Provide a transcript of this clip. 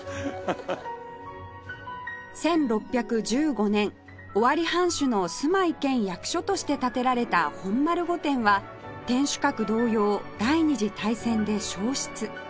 １６１５年尾張藩主の住まい兼役所として建てられた本丸御殿は天守閣同様第二次大戦で焼失